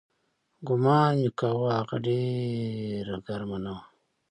ګومان مې کاوه هغه ډېره ګرمه نه وه.